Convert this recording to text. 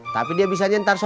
tapi dia bisa nyetar sore